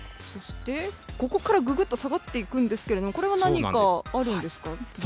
ここからググっと下がっていくんですがこれは何か原因があるんですか？